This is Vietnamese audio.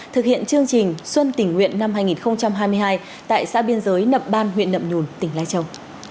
thực hiện chương trình xuân tình nguyện năm hai nghìn hai mươi hai tại xã biên giới nậm ban huyện nậm nhùn tỉnh lai châu